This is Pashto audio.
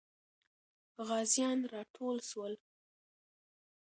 غازیان راټول سول.